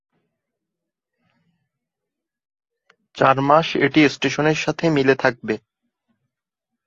চার মাস এটি স্টেশনের সাথে মিলে থাকবে।